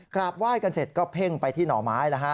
กราบไหว้กันเสร็จก็เพ่งไปที่หน่อไม้แล้วฮะ